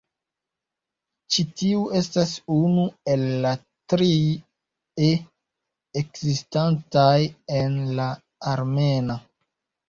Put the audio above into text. Ĉi tiu estas unu el la tri "e" ekzistantaj en la armena.